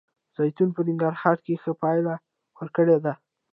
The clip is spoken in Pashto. زیتون په ننګرهار کې ښه پایله ورکړې ده